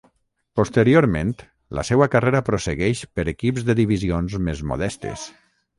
Posteriorment, la seua carrera prossegueix per equips de divisions més modestes.